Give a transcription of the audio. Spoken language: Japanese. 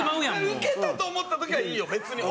ウケたと思った時はいいよ別に。